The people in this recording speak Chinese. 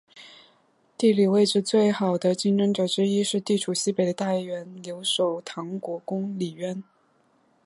地理位置最好的竞争者之一是地处西北的太原留守唐国公李渊。